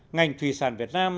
ngành thủy sản việt nam